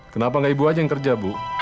kenapa gak ibu aja yang kerja bu